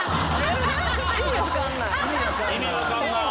意味分かんない。